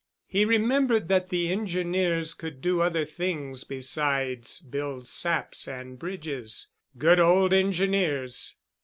He remembered that the Engineers could do other things besides build saps and bridges. Good old Engineers!